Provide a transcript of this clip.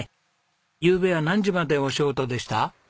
ゆうべは何時までお仕事でした？